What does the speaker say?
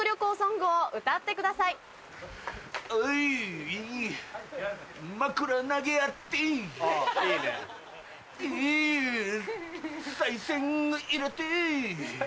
エさい銭入れて